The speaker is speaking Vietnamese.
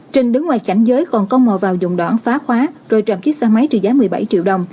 trình đứng ngoài cảnh giới còn công mò vào dụng đoạn phá khóa rồi trộm chiếc xe máy trừ giá một mươi bảy triệu đồng